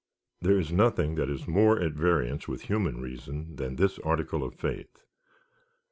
There is nothing that is more at variance with human reason than this article of faith.